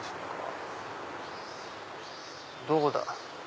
どこだ？